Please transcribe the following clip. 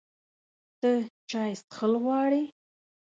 ته چای څښل غواړې؟